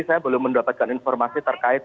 saya belum mendapatkan informasi terkait